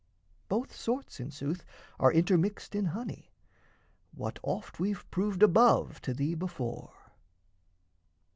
Both sorts, in sooth, are intermixed in honey What oft we've proved above to thee before.